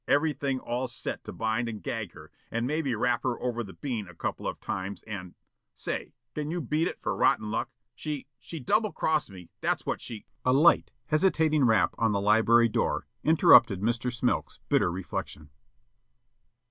Everything all set to bind and gag her, and maybe rap her over the bean a couple of times and say, can you beat it for rotten luck? She she double crossed me, that's what she " A light, hesitating rap on the library door interrupted Mr. Smilk's bitter reflection.